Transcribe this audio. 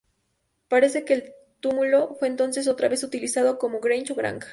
Parece que el túmulo fue entonces otra vez utilizado como "grange" o granja.